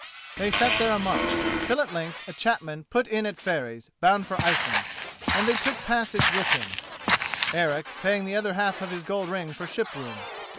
They sat there a month, till at length a chapman put in at Fareys, bound for Iceland, and they took passage with him, Eric paying the other half of his gold ring for ship room.